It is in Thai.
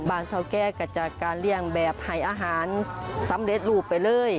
เท่าแก่ก็จัดการเลี่ยงแบบให้อาหารสำเร็จรูปไปเลย